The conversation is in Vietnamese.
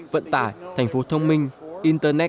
vận tải thành phố thông minh internet